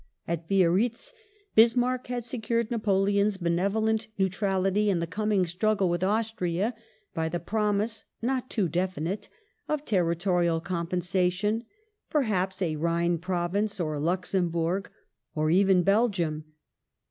At Biairitz Bismarck had secured Napoleon's benevolent neutral ity in the coming struggle with Austria by the promise, not too definite, of territorial compensation — perhaps a Rhine Province, or Luxemburg, or even Belgium.